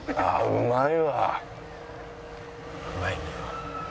うまい！